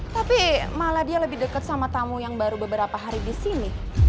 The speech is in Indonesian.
tapi malah dia lebih deket sama tamu yang baru beberapa hari disini